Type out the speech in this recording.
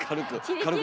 軽く。